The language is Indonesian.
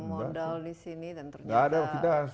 modal di sini dan ternyata